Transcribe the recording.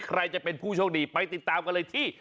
ใครจะเป็นผู้โชคดีไปติดตามกันเลยที่